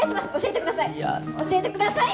教えてください。